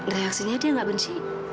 reaksinya dia gak benci